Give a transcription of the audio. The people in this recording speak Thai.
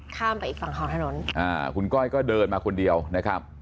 ข้ามไปอีกฝั่งของถนนอ่าคุณก้อยก็เดินมาคนเดียวนะครับ